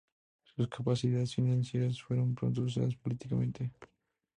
Sus capacidades financieras fueron pronto usadas políticamente.